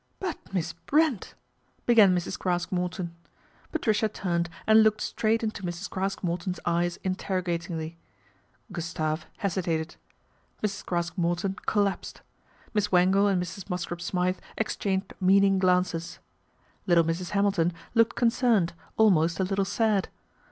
' But, Miss Brent," began Mrs. Craske Morton. Patricia turned and looked straight into Mrs. Craske Morton's eyes interrogatingly. Gustave hesitated. Mrs. Craske Morton collapsed. Miss Wangle and Mrs. Mosscrop Smythe exchanged meaning glances. Little Mrs. Hamilton looked concerned, almost a little sad.